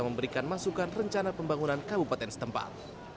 memberikan masukan rencana pembangunan kabupaten setempat